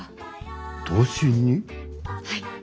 はい。